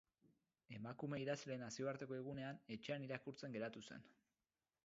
Emakume idazleen nazioarteko egunean etxean irakurtzen geratu zen.